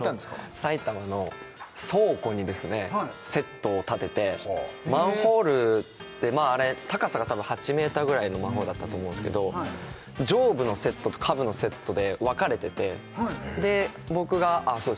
埼玉の倉庫にセットを立ててマンホールって高さが多分８ｍぐらいのマンホールだったと思うんですけど上部のセットと下部のセットで分かれててで僕がああそうです